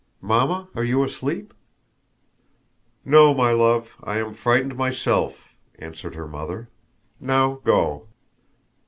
Mamma, are you asleep?" "No, my love; I am frightened myself," answered her mother. "Now go!"